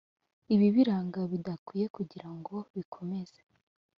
ibibiranga bidakwiye kugira ngo bikomeze